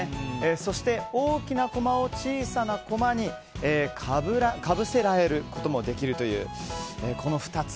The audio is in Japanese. そして、大きなコマを小さなコマにかぶせることもできるという、この２つ。